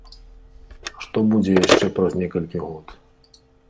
А што будзе яшчэ праз некалькі год?